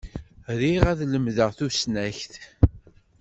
Riɣ ad lemdeɣ tusnakt.